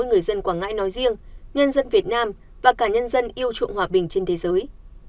người dân quảng ngãi nói riêng nhân dân việt nam và cả nhân dân yêu chuộng hòa bình trên thế giới